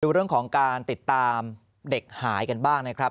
ดูเรื่องของการติดตามเด็กหายกันบ้างนะครับ